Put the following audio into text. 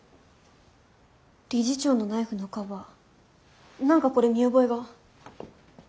理事長のナイフのカバー何かこれ見覚えが。